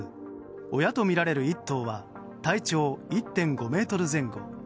親とみられる１頭は体長１．５ｍ前後。